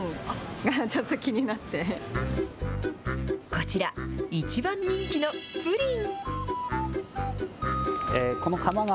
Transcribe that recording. こちら、一番人気のプリン。